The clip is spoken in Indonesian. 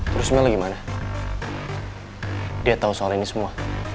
terus mel gimana dia tau soal ini semua